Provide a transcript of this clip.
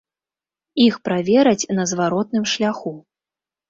Іх правераць на зваротным шляху.